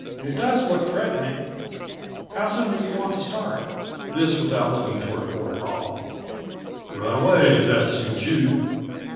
"It does look threatening. How soon will you want to start?" This without looking toward Ford at all. "Right away, if that suits you."